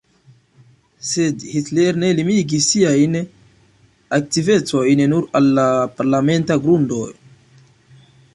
Sed Hitler ne limigis siajn aktivecojn nur al la parlamenta grundo.